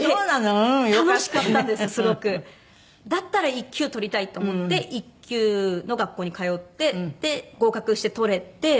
だったら１級を取りたいと思って１級の学校に通ってで合格して取れて。